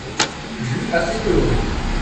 Jus assez coloré.